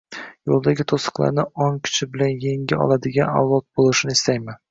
yo‘lidagi to‘siqlarni ong kuchi bilan yenga oladigan avlod bo‘lishini istayman.